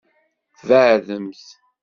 Tbeɛdemt.